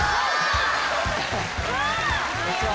こんにちは。